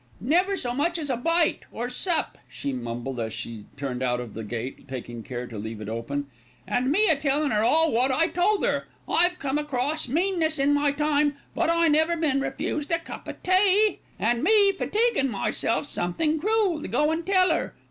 "Never so much as bite or sup," she mumbled, as she turned out of the gate, taking care to leave it open, "and me a tellin' 'er all wot I told 'er. I've come across meanness in my time; but I never been refused a cup o' tea, an' me fatiguing myself something cruel to go an' tell 'er.